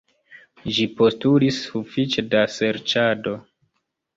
Ĝi postulis sufiĉe da serĉado.